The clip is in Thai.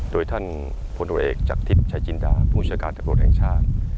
โดยท่านพลตัวเอกจักษ์ทิพย์ชายจินดาผู้เชือการตัวประโยชน์ชาติ